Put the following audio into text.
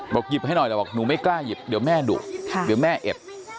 หยิบให้หน่อยแล้วบอกหนูไม่กล้าหยิบเดี๋ยวแม่ดุเดี๋ยวแม่เอ็ด